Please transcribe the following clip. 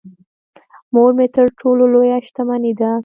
مور مې تر ټولو لويه شتمنی ده .